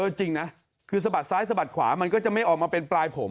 จริงนะคือสะบัดซ้ายสะบัดขวามันก็จะไม่ออกมาเป็นปลายผม